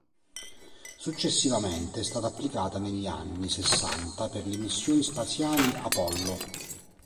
Successivamente è stata applicata negli anni sessanta per le missioni spaziali Apollo.